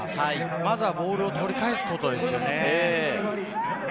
まずはボールを取り返すことですよね。